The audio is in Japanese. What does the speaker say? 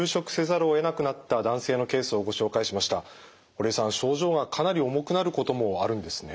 堀江さん症状がかなり重くなることもあるんですね。